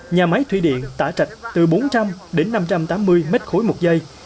nhà máy thủy điện tả trạch từ bốn trăm linh đến năm trăm tám mươi m ba một giây